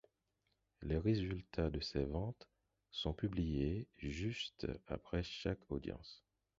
Les résultats de ces ventes sont publiés juste après chaque audience.